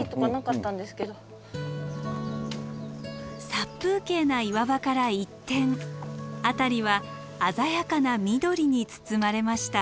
殺風景な岩場から一転辺りは鮮やかな緑に包まれました。